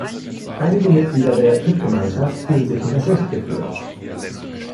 Einige Mitglieder der Tippgemeinschaft fühlen sich hinters Licht geführt.